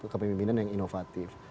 kepemimpinan yang inovatif